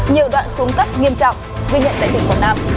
nhiều đoạn xuống cấp nghiêm trọng